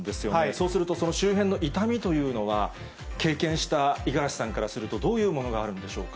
そうすると、その周辺の痛みというのは、経験した五十嵐さんからすると、どういうものがあるんでしょうか。